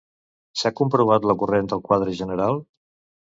S'ha comprovat la corrent del quadre general